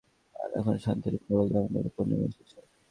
আর, এখন শাস্তির খড়গ আমাদের উপর নেমে এসেছে!